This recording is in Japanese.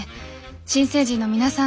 新成人の皆さん